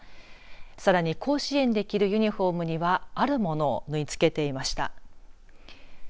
さらに甲子園で着るユニホームにはあるものを縫い付けていました。